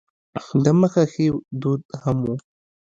د مخه ښې دود هم و.